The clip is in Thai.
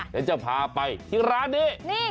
เราจะพาไปที่ร้านนี้